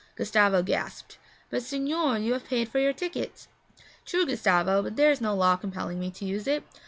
Gustavo gasped. 'But, signore, you have paid for your ticket.' 'True, Gustavo, but there is no law compelling me to use it.